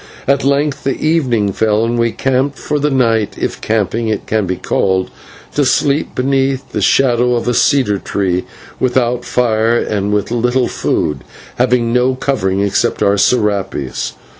At length the evening fell, and we camped for the night, if camping it can be called, to sleep beneath the shadow of a cedar tree without fire and with little food, having no covering except our /serapes